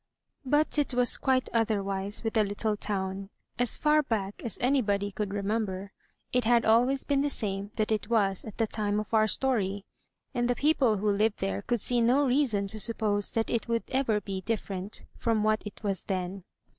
But it was quite otherwise with the little town. As far back as anybody could remember, it had always been the same that it was at the time of our story; and the people who lived there could see no reason to suppose that it would ever be different from what it was then.